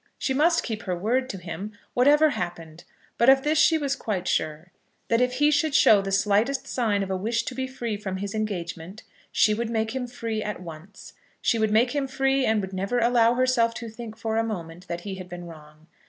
She must keep her word to him, whatever happened; but of this she was quite sure, that if he should show the slightest sign of a wish to be free from his engagement, she would make him free at once. She would make him free, and would never allow herself to think for a moment that he had been wrong.